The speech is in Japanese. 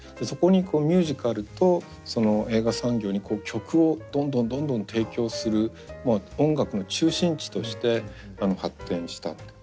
そこにミュージカルと映画産業に曲をどんどんどんどん提供する音楽の中心地として発展した。